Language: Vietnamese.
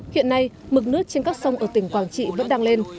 hiện nay mực nước trên các sông ở tỉnh quảng trị vẫn đang lên